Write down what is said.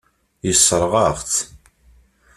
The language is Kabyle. Yessṛeɣ-aɣ-tt.